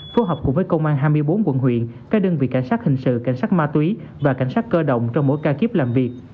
phối hợp cùng với công an hai mươi bốn quận huyện các đơn vị cảnh sát hình sự cảnh sát ma túy và cảnh sát cơ động trong mỗi ca kíp làm việc